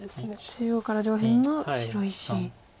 中央から上辺の白石。